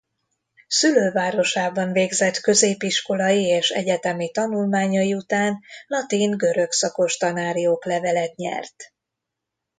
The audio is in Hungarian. Szülővárosában végzett középiskolai és egyetemi tanulmányai után latin–görög szakos tanári oklevelet nyert.